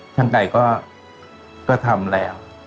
ช่างไก่ก็ก็ทำแล้ว